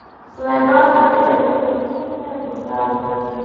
سلیمان غر د جغرافیوي تنوع یو مثال دی.